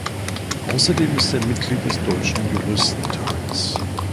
Außerdem ist er Mitglied des Deutschen Juristentages.